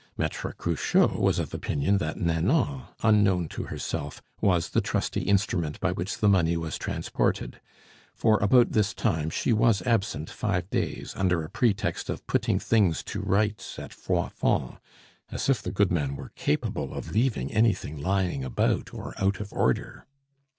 Maitre Cruchot was of opinion that Nanon, unknown to herself, was the trusty instrument by which the money was transported; for about this time she was absent five days, under a pretext of putting things to rights at Froidfond, as if the goodman were capable of leaving anything lying about or out of order!